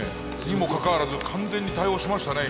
にもかかわらず完全に対応しましたね